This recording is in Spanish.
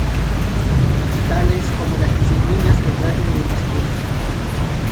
Tales como las disciplinas que traten del discurso.